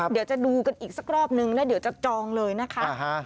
เดี๋ยวจะดูกันอีกสักรอบนึงแล้วเดี๋ยวจะจองเลยนะคะ